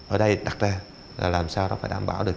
ở đây đặt ra là làm sao nó phải đảm bảo được